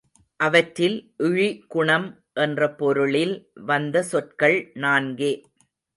அவற்றில் இழி குணம் என்ற பொருளில் வந்த சொற்கள் நான்கே.